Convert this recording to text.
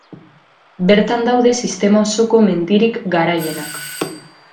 Bertan daude Sistema osoko mendirik garaienak.